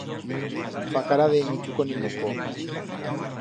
Fa cara de ni chuco ni muco.